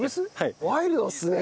ワイルドっすね！